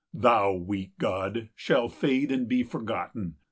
Thou, weak god, Shalt fade and be forgotten!